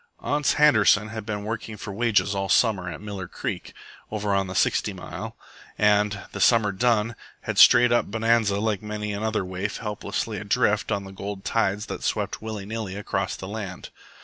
Ans Handerson had been working for wages all summer at Miller Creek over on the Sixty Mile, and, the summer done, had strayed up Bonanza like many another waif helplessly adrift on the gold tides that swept willy nilly across the land.